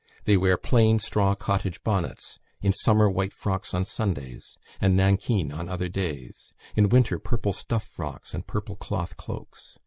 They wear plain straw cottage bonnets; in summer white frocks on Sundays, and nankeen on other days; in winter, purple stuff frocks, and purple cloth cloaks.